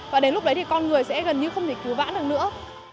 và đến lúc đấy thì con người sẽ gần như không thể cứu vãn được nữa